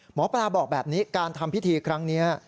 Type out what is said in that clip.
หมอปลาบอกแบบนี้การทำพิธีครั้งนี้